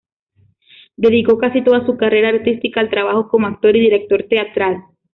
Dedicó casi toda su carrera artística al trabajo como actor y director teatral.